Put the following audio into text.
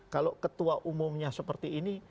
kalau ketua umumnya seperti ini